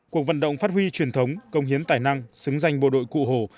cuộc vận động phát huy truyền thống công hiến tài năng xứng danh bộ đội cụ hồ